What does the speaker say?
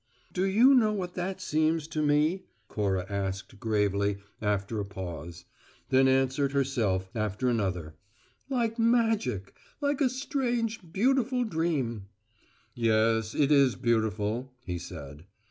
"Do you know what that seems to me?" Cora asked gravely, after a pause; then answered herself, after another: "Like magic. Like a strange, beautiful dream." "Yes, it is beautiful," he said.